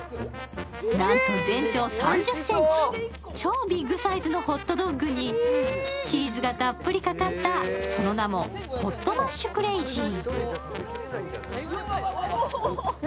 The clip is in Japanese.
なんと全長３０ｃｍ、超ビッグサイズのホットドッグにチーズがたっぷりかかったその名もホットマッシュクレイジー。